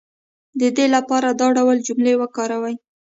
د دې لپاره دا ډول جملې وکاروئ